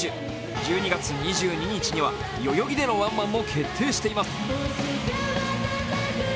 １２月２２日は代々木でのワンマンも決定しています。